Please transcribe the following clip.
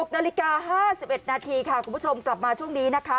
๖นาฬิกา๕๑นาทีค่ะคุณผู้ชมกลับมาช่วงนี้นะคะ